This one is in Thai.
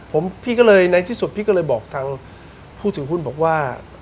ผมพี่ก็เลยในที่สุดพี่ก็เลยบอกทางผู้ถือหุ้นบอกว่า